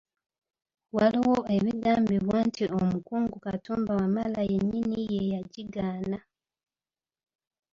Waliwo ebigambibwa nti omukungu Katumba Wamala yennyini ye yagigaana.